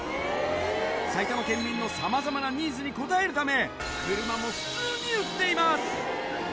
埼玉県民のさまざまなニーズに応えるため、車も普通に売っています。